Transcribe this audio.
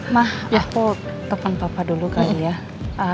ma aku telfon papa dulu kali ya